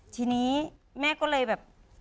ทีนี้แม่ก็เลยแบบ